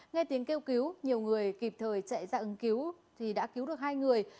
nghe tiếng kêu cứu nhiều người kịp thời chạy ra ứng cứu thì đã cứu được hai người